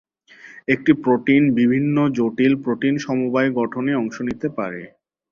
একটি প্রোটিন বিভিন্ন জটিল প্রোটিন-সমবায় গঠনে অংশ নিতে পারে।